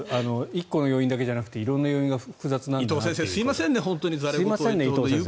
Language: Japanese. １個の要因だけじゃなくて色んな要因が複雑なんだなという。